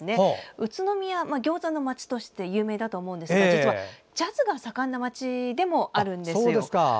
宇都宮、ギョーザのまちとして有名だと思うんですが実はジャズが盛んな街でもあるんですよ。